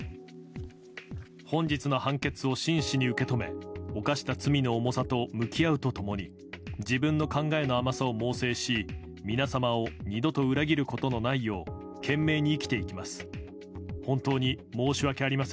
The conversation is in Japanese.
本日の判決を真摯に受け止め、犯した罪の重さと向き合うとともに、自分の考えの甘さを猛省し、皆様を二度と裏切ることのないよう懸命に生きていきます。